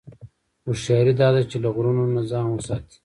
هوښیاري دا ده چې له غرور نه ځان وساتې.